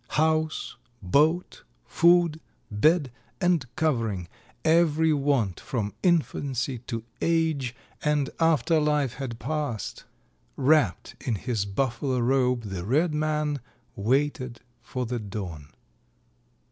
House, boat, food, bed and covering, every want from infancy to age and after life had passed; wrapped in his Buffalo robe the red man waited for the dawn."